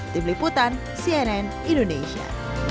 tim liputan cnn indonesia